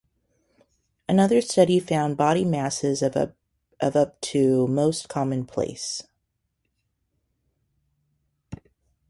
Another study found body masses of up to most commonplace.